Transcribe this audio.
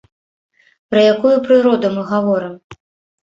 Пра якую прыроду мы гаворым?